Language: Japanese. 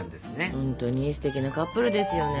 ほんとにすてきなカップルですよね。